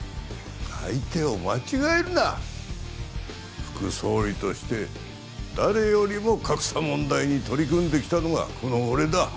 相手を間違えるな副総理として誰よりも格差問題に取り組んできたのがこの俺だ